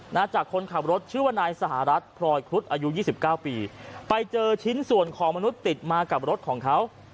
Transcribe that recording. จากคนขับรถชื่อว่านายสหรัฐพลอยครุฑอายุยี่สิบเก้าปีไปเจอชิ้นส่วนของมนุษย์ติดมากับรถของเขา